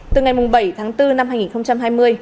từ ngày bảy tháng bốn năm hai nghìn hai mươi